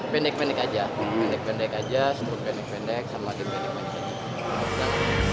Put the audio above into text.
pendek pendek aja skur pendek pendek sama juga pendek pendek aja